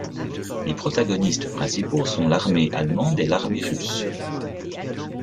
Les protagonistes principaux sont la armée allemande et la armée russe.